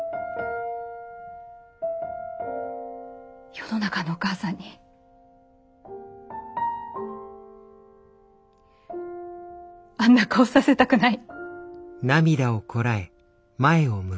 世の中のお母さんにあんな顔させたくない。